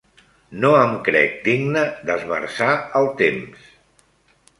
No em crec digne d'esmerçar el temps